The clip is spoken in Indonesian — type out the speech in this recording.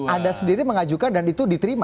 anda sendiri mengajukan dan itu diterima